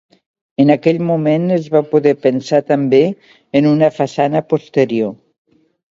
En aquell moment es va poder pensar també en una façana posterior.